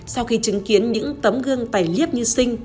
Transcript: sau khi chứng kiến những tấm gương tài liếp như sinh